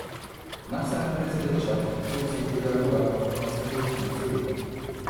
Nach seiner Präsidentschaft zog sich de la Rúa aus der Politik zurück.